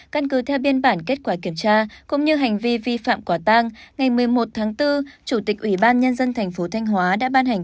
căn cứ theo biên bản kết quả kiểm tra cũng như hành vi vi phạm quả tang ngày một mươi một tháng bốn chủ tịch ủy ban nhân dân thành phố thanh hóa đã ban hành